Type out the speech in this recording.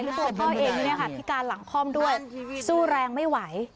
แล้วตัวพ่อเองเนี้ยค่ะที่การหลังคล่อมด้วยสู้แรงไม่ไหว